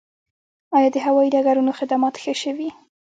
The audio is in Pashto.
آیا د هوایي ډګرونو خدمات ښه شوي؟